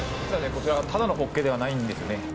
実はこちらはただのホッケではないんですね。